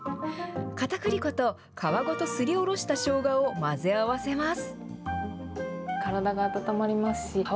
かたくり粉と、皮ごとすりおろしたしょうがを混ぜ合わせます。